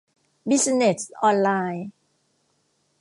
บิซิเนส ออนไลน์